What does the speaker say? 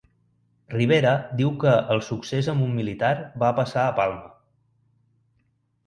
Rivera diu que el succés amb un militar va passar a Palma